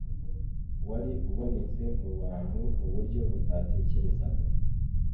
wari ubonetse mu bantu mu buryo batatekerezaga.